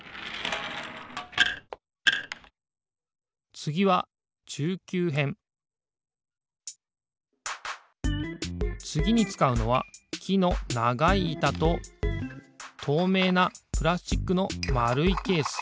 つぎはつぎにつかうのはきのながいいたととうめいなプラスチックのまるいケース。